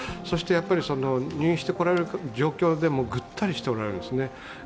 そして入院してこられる状況で、ぐったりしておられる。